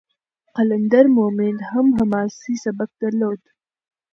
قلندر مومند هم حماسي سبک درلود.